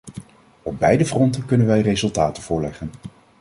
Op beide fronten kunnen wij resultaten voorleggen.